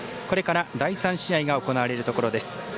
これから第３試合が行われるところです。